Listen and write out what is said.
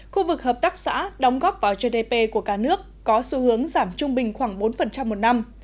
khu vực hợp tác xã đóng góp vào gdp của cả nước có xu hướng giảm trung bình khoảng bốn một năm